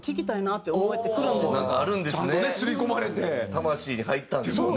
魂に入ったんでしょうね。